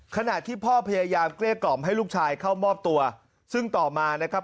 ขณะที่พ่อพยายามเกลี้ยกล่อมให้ลูกชายเข้ามอบตัวซึ่งต่อมานะครับ